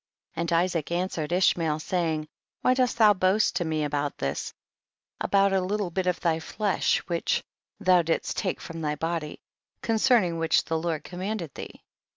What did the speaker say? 63 43. And Isaac answered Ishmael, saying, why dost thou boast to me about this, about a htlle bit of thy flesh which thou didst take from thy body, concerning which the Lord commanded thee